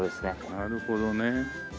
なるほどね。